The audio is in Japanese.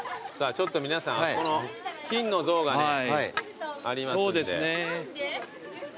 ちょっと皆さん金の像がありますんで。